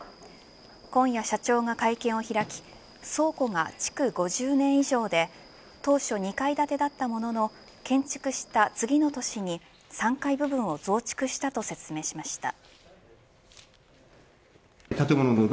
今夜、社長が会見を開き倉庫が築５０年以上で当初２階建てだったものの建築した次の年に３階部分を増築したと説明しました。